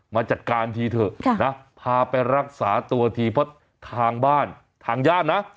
มาจัดการทีเถอะนะพาไปรักษาตัวทีเพราะทางบ้านทางญาตินะ